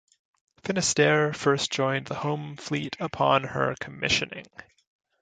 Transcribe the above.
"Finnisterre" first joined the Home Fleet upon her commissioning.